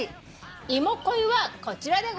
いも恋はこちらでございます。